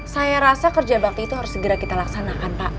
saya rasa kerja bakti itu harus segera kita laksanakan pak